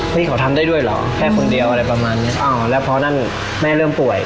ขอทำได้ด้วยเหรอแค่คนเดียวอะไรประมาณเนี้ยอ้าวแล้วพอนั่นแม่เริ่มป่วย